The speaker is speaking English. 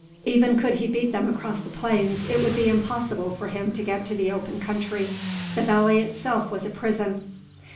Even could he beat them across the plains, it would be impossible for him to get out to the open country. The valley itself was a prison.